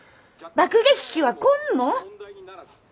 爆撃機は来んの？